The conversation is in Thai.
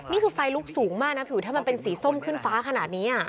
นี่คือไฟลุกสูงมากนะพี่อุ๋ยถ้ามันเป็นสีส้มขึ้นฟ้าขนาดนี้